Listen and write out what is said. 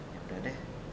ya udah deh